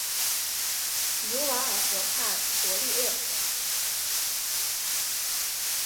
卢瓦尔河畔博利厄。